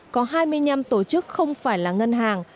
có hai mươi năm tổ chức không phải là ngân hàng